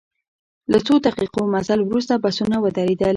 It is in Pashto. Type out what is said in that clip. له څو دقیقو مزل وروسته بسونه ودرېدل.